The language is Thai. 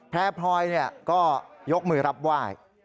แพร่พลอยก็ยกมือรับไหว้